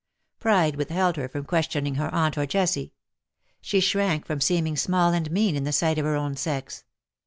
Pride withheld her from questioning her aunt or Jessie. She shrank from seeming small and mean in the sight of her own sex.